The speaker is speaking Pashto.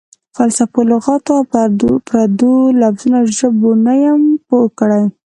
فلسفو، لغاتو او پردو لفظونو ژبو نه یم پوه کړی.